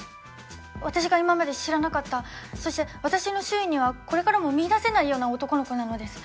私が今まで知らなかったそして私の周囲にはこれからも見いだせないような男の子なのです。